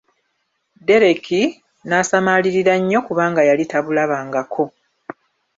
Dereki n'asamaalirira nnyo kubanga yali tabulabangako.